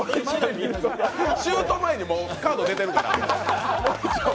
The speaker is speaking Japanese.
シュート前にカード出てるから。